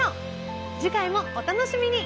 次回もお楽しみに。